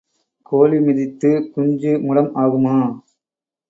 கோழி மிதித்துக் குஞ்சு முடம் ஆகுமா?